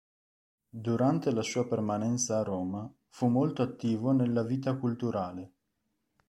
Durante la sua permanenza a Roma, fu molto attivo nella vita culturale.